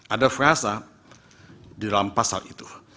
ada frasa di dalam pasal itu